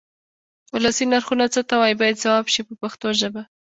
ولسي نرخونه څه ته وایي باید ځواب شي په پښتو ژبه.